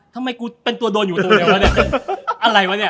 ทำไมกูเป็นตัวโดนอยู่ตรงนี้วะเนี่ย